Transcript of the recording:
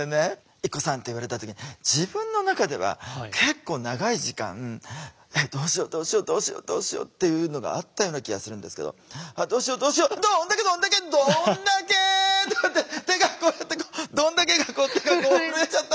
「ＩＫＫＯさん」って言われた時に自分の中では結構長い時間「えっどうしよどうしよどうしよどうしよ」っていうのがあったような気がするんですけど「どうしよどうしよどんだけどんだけどんだけ！」とかって手がこうやって「どんだけ」が手がこう震えちゃったんですよ。